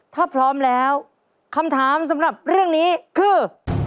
ถ้าพร้อมแล้วคำถามสำหรับเรื่องนี้คือ